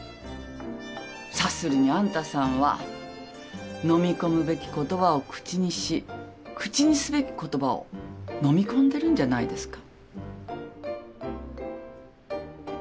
察するにあんたさんはのみ込むべき言葉を口にし口にすべき言葉をのみ込んでるんじゃないですか？